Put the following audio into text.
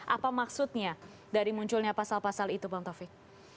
apa maksudnya dari munculnya pasal pasal itu bang taufik